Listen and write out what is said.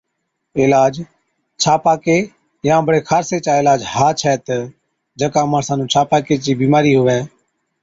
عِلاج، ڇاپاڪي يان بڙي خارسِي چا عِلاج ها ڇَي تہ جڪا ماڻسا نُون ڇاپاڪي چِي بِيمارِي هُوَي